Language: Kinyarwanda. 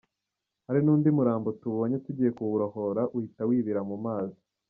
Hari n’undi murambo tubonye tugiye kuwurohora uhita wibira mu mazi.